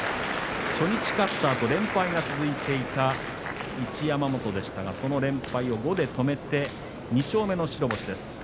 初日勝ったあと連敗が続いていた一山本でしたがその連敗を５で止めて２勝目の白星です。